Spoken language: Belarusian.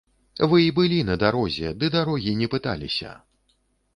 Вы і былі на дарозе, ды дарогі не пыталіся.